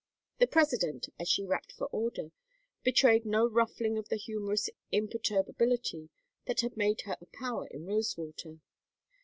The President, as she rapped for order, betrayed no ruffling of the humorous imperturbability that had made her a power in Rosewater.